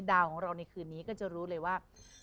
ดาวของเราในคืนนี้ก็จะรู้เลยว่า